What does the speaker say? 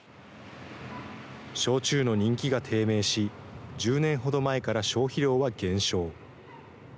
焼酎の人気が低迷し、１０年ほど前から消費量は減少。